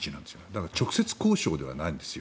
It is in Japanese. だから直接交渉ではないんです。